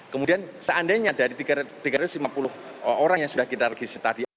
kemudian seandainya dari tiga ratus lima puluh orang yang sudah kita regisi tadi